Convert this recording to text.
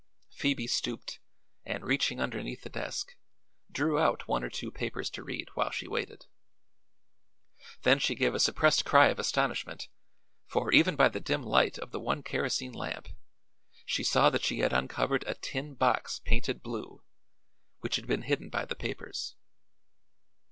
Phoebe stooped and reaching underneath the desk drew out one or two papers to read while she waited. Then she gave a suppressed cry of astonishment, for even by the dim light of the one kerosene lamp she saw that she had uncovered a tin box painted blue, which had been hidden by the papers.